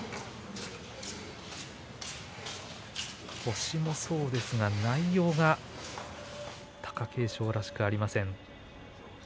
星もそうですが内容が貴景勝らしくありません。